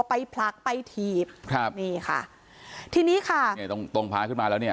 ผลักไปถีบครับนี่ค่ะทีนี้ค่ะเนี่ยตรงตรงพาขึ้นมาแล้วเนี่ย